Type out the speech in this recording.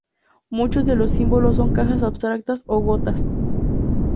Muchos de los símbolos son cajas abstractas o gotas.